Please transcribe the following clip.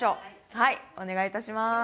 はいお願いいたします